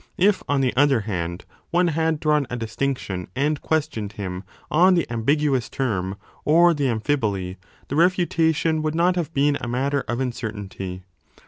If, on the other hand, one had drawn a distinction, and questioned him on the ambiguous term or the amphiboly, the refutation would not have been a matter of uncertainty.